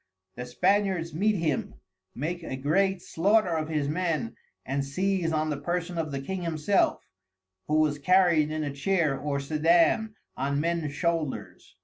The Spaniards meet him, make a great Slaughter of his Men, and seize on the Person of the King Himself, who was carried in a Chair or Sedan on Mens Shoulders.